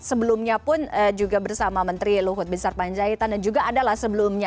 sebelumnya pun juga bersama menteri luhut binsar panjaitan dan juga adalah sebelumnya